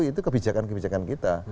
itu kebijakan kebijakan kita